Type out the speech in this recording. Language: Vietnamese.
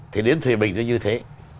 thì đến thùy bình nó như thế